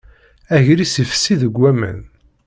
Agris ifessi deg waman.